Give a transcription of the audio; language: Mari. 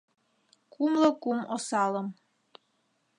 Кумло кум осалым